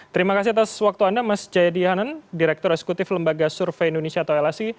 terima kasih atas waktu anda mas jayadi hanan direktur eksekutif lembaga survei indonesia atau lsi